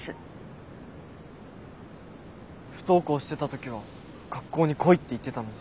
不登校してた時は学校に来いって言ってたのに。